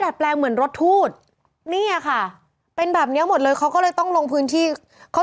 ซึ่งต้องบอกว่า